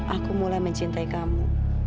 aku mulai mencintai kamu